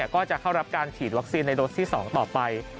ก็จะเข้ารับการฉีดวัคซีนในโดสที่๒ต่อไป